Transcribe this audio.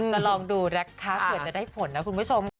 ก็ลองดูนะคะเผื่อจะได้ผลนะคุณผู้ชมค่ะ